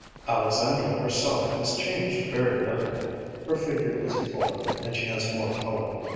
Alexandra herself has changed very little. Her figure is fuller, and she has more color.